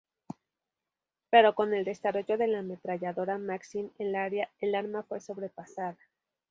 Pero con el desarrollo de la ametralladora Maxim el arma fue sobrepasada.